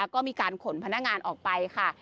ก็มีการขนพนักงานออกไปค่ะ